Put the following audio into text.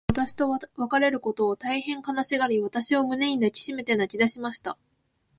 彼女は私と別れることを、大へん悲しがり、私を胸に抱きしめて泣きだしました。